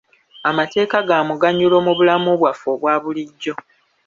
Amateeka ga muganyulo mu bulamu bwaffe obwa bulijjo.